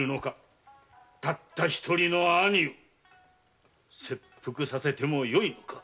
たった一人の兄を切腹させてもよいのか？